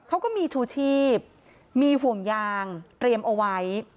เขาก็มีชูชีพมีห่วงยางเตรียมเอาไว้